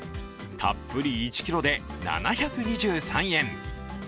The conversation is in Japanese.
たっぷり１ｋｇで７２３円。